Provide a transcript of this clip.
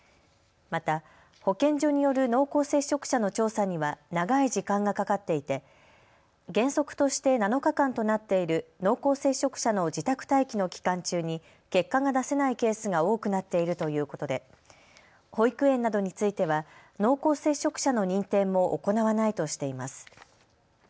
また保健所による濃厚接触者の調査には長い時間がかかっていて原則として７日間となっている濃厚接触者の自宅待機の期間中に結果が出せないケースが多くなっているということで保育園などについては濃厚接触者の認定も行わないとしています。